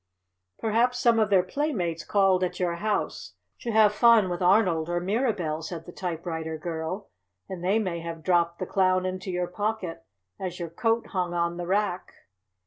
"Perhaps some of their playmates called at your house, to have fun with Arnold or Mirabell," said the typewriter girl, "and they may have dropped the Clown into your pocket as your coat hung on the rack."